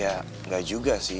ya enggak juga sih